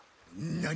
何？